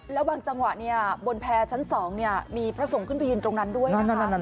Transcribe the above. แล้วบางจังหวะบนแพร่ชั้น๒มีพระสงฆ์ขึ้นไปยืนตรงนั้นด้วยนะคะ